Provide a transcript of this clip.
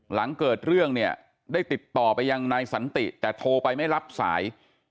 หลังเกิดเรื่องเนี่ยได้ติดต่อไปยังนายสันติแต่โทรไปไม่รับสาย